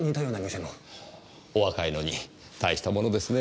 お若いのにたいしたものですねぇ。